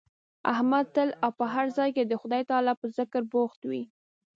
احمد تل او په هر ځای کې د خدای تعالی په ذکر بوخت وي.